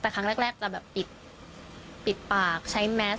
แต่ครั้งแรกจะแบบปิดปากใช้แมส